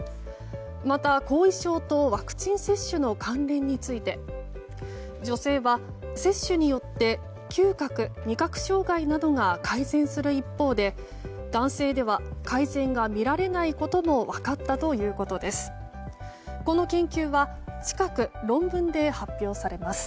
また、後遺症とワクチン接種の関連について女性は、接種によって嗅覚・味覚障害などが改善する一方で男性では改善が見られないことも分かったということです。